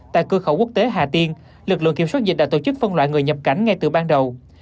tại cửa khẩu quốc tế hà tiên lực lượng kiểm soát dịch đã tổ chức phân loại người nhập cảnh ngay từ ban đầu